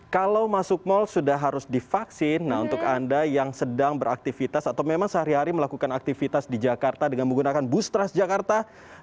kalau masuk mal sudah harus divaksin untuk anda yang sedang beraktivitas atau memang sehari hari melakukan aktivitas di jakarta dengan menggunakan bus transjakarta